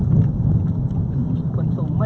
คุณผู้ชายเล่าจริงว่า